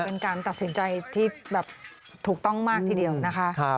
เป็นการตัดสินใจที่แบบถูกต้องมากทีเดียวนะคะ